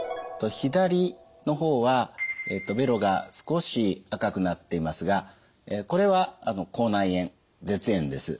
左の方はべろが少し赤くなっていますがこれは口内炎舌炎です。